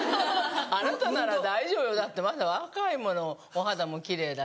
あなたなら大丈夫よだってまだ若いものお肌も奇麗だし。